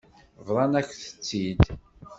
Bḍan-ak-tt-id.